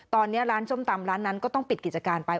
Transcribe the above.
ตอนนี้ร้านส้มตำร้านนั้นก็ต้องปิดกิจการไป